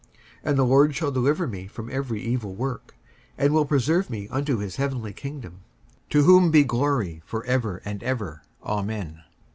55:004:018 And the Lord shall deliver me from every evil work, and will preserve me unto his heavenly kingdom: to whom be glory for ever and ever. Amen.